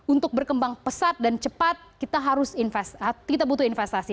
untuk berkembang pesat dan cepat kita butuh investasi